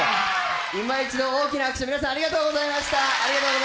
いまいちど大きな拍手皆さんありがとうございました。